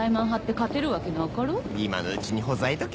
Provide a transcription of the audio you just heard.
今のうちにほざいとけ。